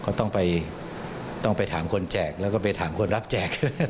ก็ต้องไปถามคนแจกแล้วก็ไปถามคนรับแจก